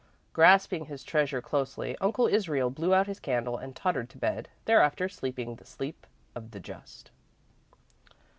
Grasping his treasure closely, Uncle Israel blew out his candle and tottered to bed, thereafter sleeping the sleep of the just.